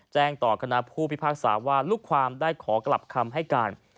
แจ้งต่อคณะผู้พิพากษาว่าลูกความได้ขอกลับคำให้การ